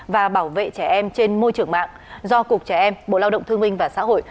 và bảo vệ trẻ em trên môi trường mạng do cục trẻ em bộ lao động thương minh và xã hội